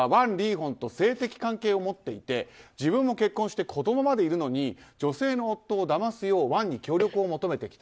ホンと性的関係を持っていて自分も結婚して子供までいるのに女性の夫をだますようワンに協力を求めてきた。